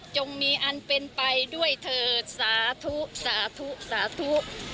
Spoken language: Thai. จงมีอันเป็นไปด้วยเถิดสาธุสาธุสาธุ